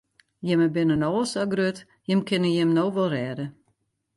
Jimme binne no al sa grut, jimme kinne jim no wol rêde.